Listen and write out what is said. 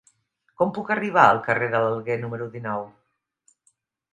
Com puc arribar al carrer de l'Alguer número dinou?